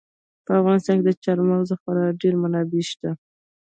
په افغانستان کې د چار مغز خورا ډېرې منابع شته دي.